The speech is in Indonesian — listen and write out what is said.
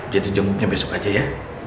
jadi jemputnya besok aja ya